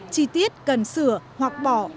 chi tiết cần sửa hoặc bỏ